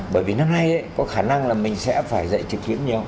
bởi vì năm nay có khả năng là mình sẽ phải dạy trực tuyến nhiều